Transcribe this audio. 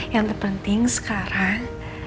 yang terpenting sekarang